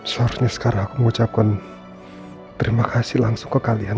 seharusnya sekarang aku mengucapkan terima kasih langsung ke kalian